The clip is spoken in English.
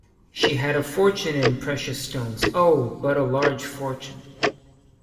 She had a fortune in precious stones — oh, but a large fortune!